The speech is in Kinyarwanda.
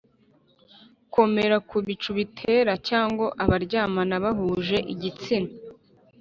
komera ku bicu bitera, cyangwa abaryamana bahuje igitsina